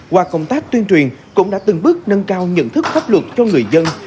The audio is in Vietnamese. qua công tác tuyên truyền cũng đã từng bước nâng cao nhận thức pháp luật cho người dân